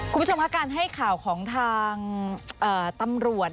คุณผู้ชมค่ะการให้ข่าวของทางตำรวจ